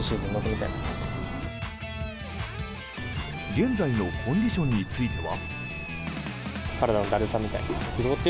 現在のコンディションについては。